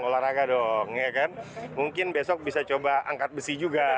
cabang olahraga dong mungkin besok bisa coba angkat besi juga